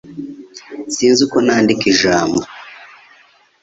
Sinzi uko nandika ijambo